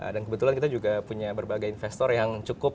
dan kebetulan kita juga punya berbagai investor yang cukup